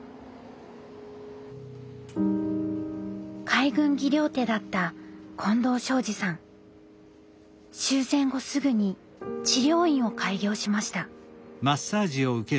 海軍技療手だった終戦後すぐに治療院を開業しました。